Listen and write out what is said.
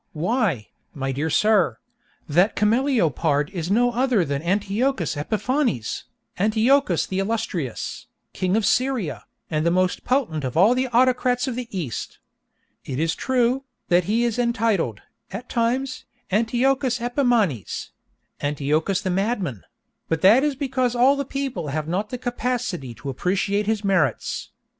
Why, my dear sir, that cameleopard is no other than Antiochus Epiphanes, Antiochus the Illustrious, King of Syria, and the most potent of all the autocrats of the East! It is true, that he is entitled, at times, Antiochus Epimanes—Antiochus the madman—but that is because all people have not the capacity to appreciate his merits.